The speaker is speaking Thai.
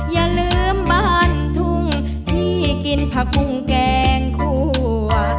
อย่าลืมบ้านทุ่งที่กินผักบุ้งแกงคั่ว